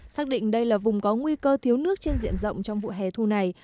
xác định đây là vùng có nguy cơ thiếu nước trên diện rộng trong vụ hè thu này